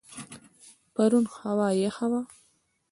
پرون هوا یخه وه.